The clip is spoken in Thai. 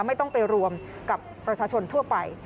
ไม่ต้องไปรวมกับประชาชนทั่วไป